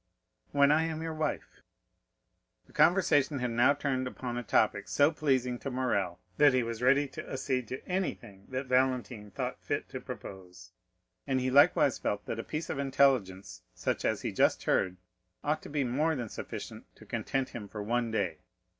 "When I am your wife." The conversation had now turned upon a topic so pleasing to Morrel, that he was ready to accede to anything that Valentine thought fit to propose, and he likewise felt that a piece of intelligence such as he just heard ought to be more than sufficient to content him for one day.